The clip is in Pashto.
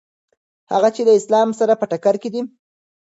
هغه چې له اسلام سره په ټکر کې دي.